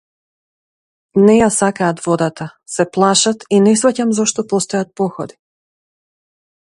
Не ја сакаат водата, се плашат, и не сфаќам зошто постојат походи.